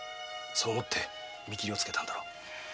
そう思い見切りをつけたんだろう。